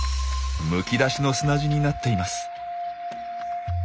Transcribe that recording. むき出しの砂地になっています。